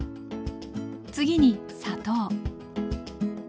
次に砂糖。